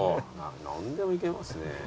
何でもいけますね。